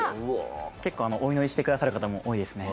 結構お祈りしてくださる方も多いですね。